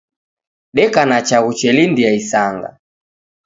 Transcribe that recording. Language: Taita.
Deka na chaghu chelindia isanga